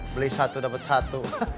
beli satu dapat satu